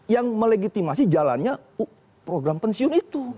yang melegitimasi jalannya program pensiun itu